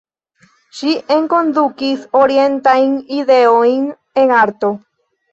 Ŝi enkondukis orientajn ideojn en arto.